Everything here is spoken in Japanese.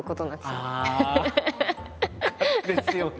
ですよね。